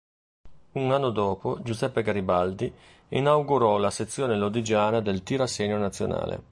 Un anno dopo Giuseppe Garibaldi inaugurò la sezione lodigiana del tiro a segno nazionale.